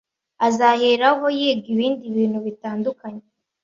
azaheraho yiga ibindi bintu bitandukanye.